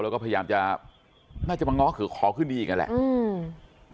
แล้วก็พยายามจะน่าจะมังง้อขอขึ้นดีกันแหละอืม